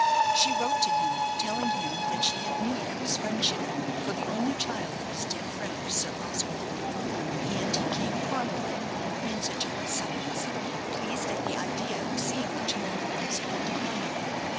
She wrote to him, telling him that she had need of his friendship for the only child of his dead friend, Sir Oswald; and he came promptly in answer to her summons, pleased at the idea of seeing the child of his old comrade.